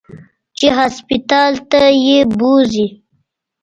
چې هسپتال ته يې بوځي.